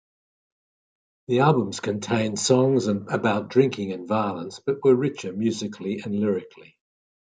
The albums contained songs about drinking and violence, but were richer musically and lyrically.